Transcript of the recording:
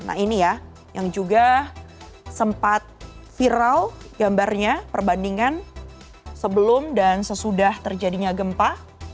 nah ini ya yang juga sempat viral gambarnya perbandingan sebelum dan sesudah terjadinya gempa